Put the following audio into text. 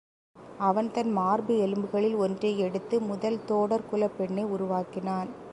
அவன் தன் மார்பு எலும்புகளில் ஒன்றை எடுத்து, முதல் தோடர்குலப் பெண்ணை உருவாக்கினான்.